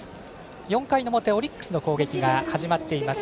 ４回の表、オリックスの攻撃が始まっています。